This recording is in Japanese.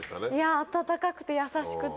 温かくて優しくて。